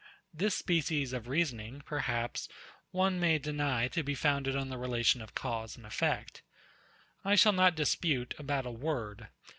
This species of reasoning, perhaps, one may deny to be founded on the relation of cause and effect. I shall not dispute about a word.